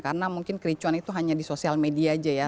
karena mungkin kericuan itu hanya di sosial media saja ya